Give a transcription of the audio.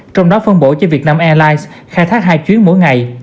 trong đó phân bổ cho việt nam airlines khai thác hai chuyến mỗi ngày